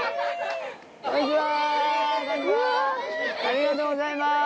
ありがとうございます。